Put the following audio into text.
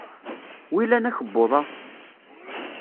W ilan akebbuḍ-a?